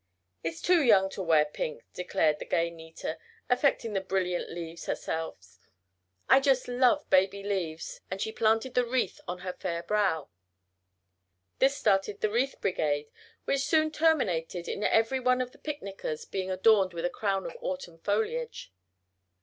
"Too young to wear pink," declared the gay Nita, affecting the brilliant leaves herself. "I just love baby leaves," and she planted the wreath on her fair brow. This started the wreath brigade, which soon terminated in every one of the picnickers being adorned with a crown of autumn foliage.